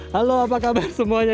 halo apa kabar semuanya